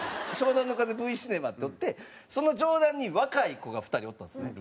湘南乃風Ｖシネマっておってその上段に若い子が２人おったんですね。